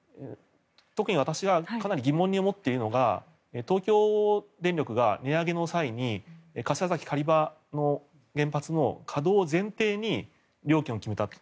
特に私はかなり疑問に思っているのが東京電力が値上げの際に柏崎刈羽原発の稼働を前提に料金を決めたと。